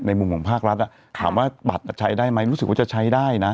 มุมของภาครัฐถามว่าบัตรใช้ได้ไหมรู้สึกว่าจะใช้ได้นะ